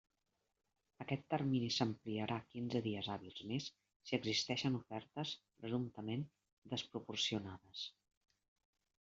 Aquest termini s'ampliarà quinze dies hàbils més si existeixen ofertes presumptament desproporcionades.